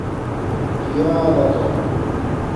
خِیالکہ